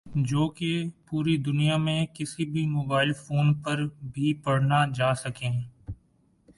جو کہ پوری دنیا میں کِسی بھی موبائل فون پر بھی پڑھنا جاسکیں